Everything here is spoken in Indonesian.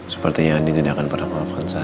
sepertinya adin tidak akan pernah maafkan saya